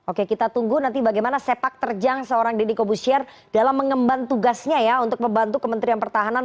oke kita tunggu nanti bagaimana sepak terjang seorang deddy kobusier dalam mengemban tugasnya ya untuk membantu kementerian pertahanan